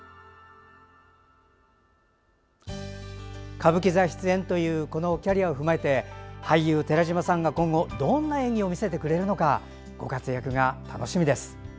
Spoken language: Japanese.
歌舞伎座出演というこのキャリアを踏まえて俳優・寺島さんが今後どんな演技を見せてくれるのかご活躍が楽しみです。